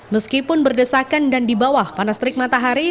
meskipun berdesakan dan di bawah panas terik matahari